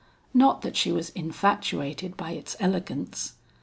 Not that she was infatuated by its elegance.